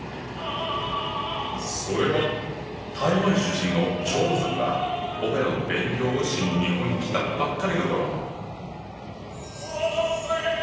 それは台湾出身の張さんがオペラの勉強をしに日本に来たばっかりの頃。